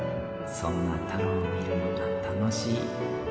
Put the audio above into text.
そんな太郎を見るのが楽しい。